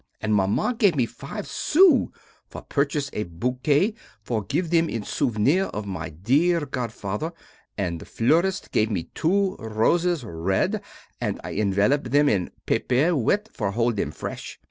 And Maman give me five sous for purchase a bouquet for give them in souvenir of my dear godfather, and the fleuriste give me two roses red and I envelope them in a paper wet for hold them fresh.